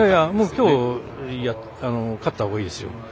きょう勝ったほうがいいですよ。